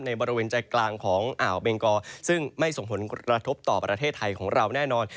ในบริเวณใจกลางของอ่าวเบงกอซึ่งไม่ส่งผลกระทบต่อประเทศไทยของเราแน่นอน